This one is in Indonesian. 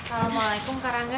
assalamualaikum kak rangga